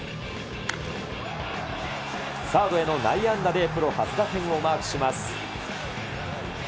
サードへの内野安打で、プロ初打点をマークします。